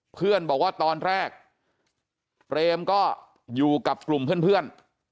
เพื่อนบอกว่าตอนแรกเปรมก็อยู่กับกลุ่มเพื่อน